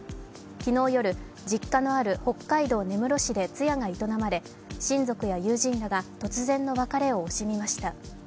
昨日夜、実家のある北海道根室市で通夜が営まれ、親族や友人らが突然の別れを惜しみました。